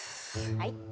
はい。